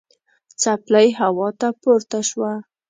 څپلۍ هوا ته پورته شوه.